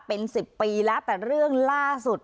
เป็น๑๐ปีแล้วแต่เรื่องล่าสุด